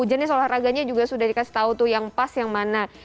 jenis olahraganya juga sudah dikasih tahu tuh yang pas yang mana